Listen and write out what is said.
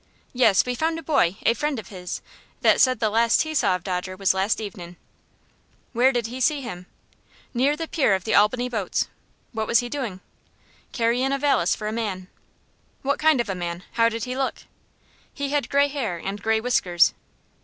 "Yes; we found a boy, a friend of his, that said the last he saw of Dodger was last evenin'." "Where did he see him?" "Near the pier of the Albany boats." "What was he doin'?" "Carryin' a valise for a man." "What kind of a man? How did he look?" "He had gray hair and gray whiskers."